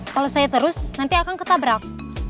kalau saya terus nanti akan ketabrak